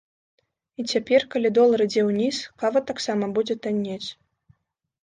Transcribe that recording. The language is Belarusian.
І цяпер, калі долар ідзе ўніз, кава таксама будзе таннець.